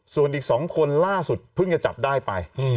ส่วนอีก๒คนล่าสุดเพิ่งจะจับได้ไป